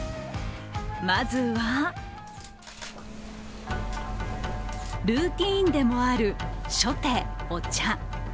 まずは、ルーティンでもある初手、お茶。